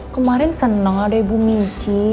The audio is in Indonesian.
kemarin senang ada ibu miji